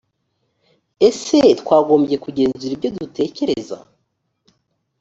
ese twagombye kugenzura ibyo dutekereza